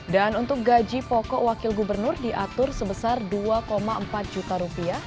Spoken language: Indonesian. dan untuk gaji pokok wakil gubernur diatur sebesar dua empat juta rupiah